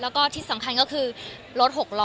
แล้วก็ที่สำคัญก็คือรถ๖ล้อ